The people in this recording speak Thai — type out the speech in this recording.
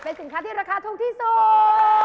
เป็นสินค้าที่ราคาถูกที่สุด